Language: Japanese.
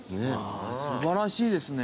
素晴らしいですね。